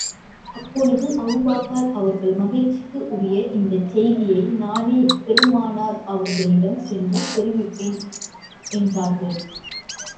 அப்பொழுது, அபூபக்கர் அவர்கள் மகிழ்ச்சிக்கு உரிய இந்தச் செய்தியை, நானே பெருமானார் அவர்களிடம் சென்று தெரிவிப்பேன் என்றார்கள்.